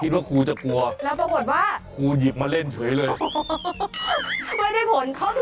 คุณครูก็ต้องฝูกพวกเด็ก